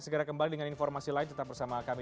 segera kembali dengan informasi lain tetap bersama kami